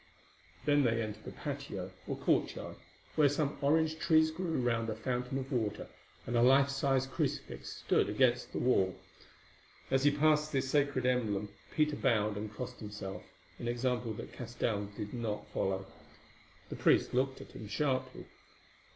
Then they entered a patio, or courtyard, where some orange trees grew round a fountain of water, and a life sized crucifix stood against the wall. As he passed this sacred emblem Peter bowed and crossed himself, an example that Castell did not follow. The priest looked at him sharply.